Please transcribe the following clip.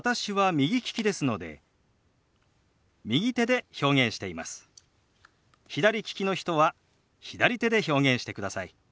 左利きの人は左手で表現してください。